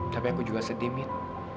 tapi aku juga sedih mit